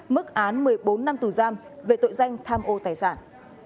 mức án một mươi bốn năm tù giam về tội danh tham ô tài sản